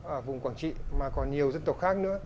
ở vùng quảng trị mà còn nhiều dân tộc khác nữa